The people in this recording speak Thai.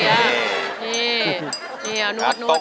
นี่นี่เอานวดนวดนวด